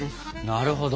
なるほど。